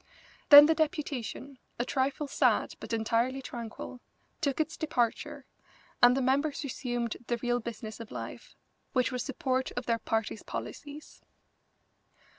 Then the deputation, a trifle sad but entirely tranquil, took its departure, and the members resumed the real business of life, which was support of their party's policies.